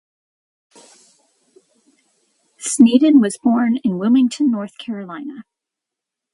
Sneeden was born in Wilmington, North Carolina.